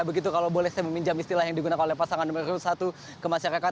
begitu kalau boleh saya meminjam istilah yang digunakan oleh pasangan nomor satu ke masyarakat